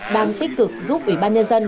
đang tích cực giúp ủy ban nhân dân